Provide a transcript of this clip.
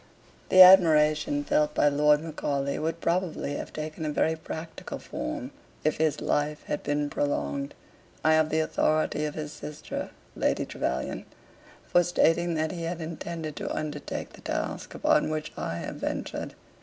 The admiration felt by Lord Macaulay would probably have taken a very practical form, if his life had been prolonged. I have the authority of his sister, Lady Trevelyan, for stating that he had intended to undertake the task upon which I have ventured.